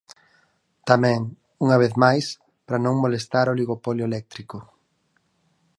Tamén, unha vez máis, para non molestar o oligopolio eléctrico.